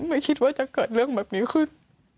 ไม่คิดว่าจะเกิดเรื่องแบบนี้ขึ้น